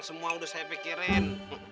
semua udah saya pikirin